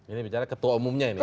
ini bicara ketua umumnya ini